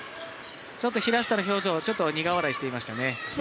ちょっと、平下の表情苦笑いしてましたね。